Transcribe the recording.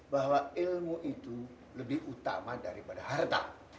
loyal muktuto hai semangat